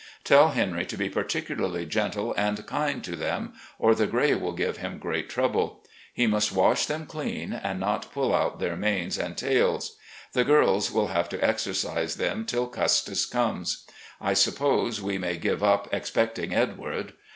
Tell Henry to be particularly gentle and kind to them, or the gray will give him great trouble. He must wash them clean, and not puH out their manes and tails. The girls will have to exercise them till Custis comes. I suppose we may give up expecting Edward.